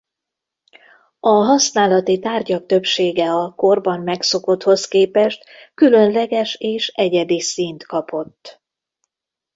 A használati tárgyak többsége a korban megszokotthoz képest különleges és egyedi színt kapott.